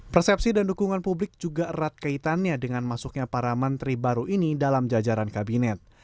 persepsi dan dukungan publik juga erat kaitannya dengan masuknya para menteri baru ini dalam jajaran kabinet